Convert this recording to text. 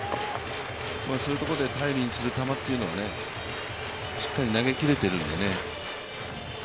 そういうところに頼りにする球というのをしっかり投げ切れているんでね。